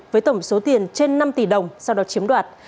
với tổng số tiền trên năm tỷ đồng sau đó chiếm đoạt